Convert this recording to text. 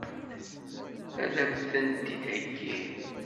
Ad m-tent-id-theggi?